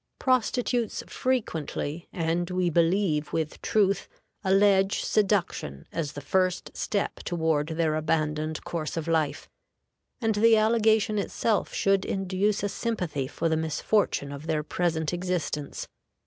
Prostitutes frequently, and we believe with truth, allege seduction as the first step toward their abandoned course of life, and the allegation itself should induce a sympathy for the misfortune of their present existence.